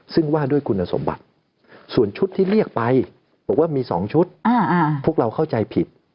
ซึ่งว่าด้วยคุณสมบัติส่วนชุดที่เรียกไปบอกว่ามี๒ชุดพวกเราเข้าใจผิด